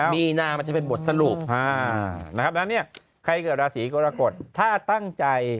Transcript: มีนามันจะเป็นบทสรุปนะครับดังนั้นเนี่ยใครเกิดราศีกรกฎถ้าตั้งใจ